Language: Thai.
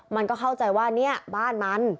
มันก็เข้าใจว่าเนี่ยบ้านมัน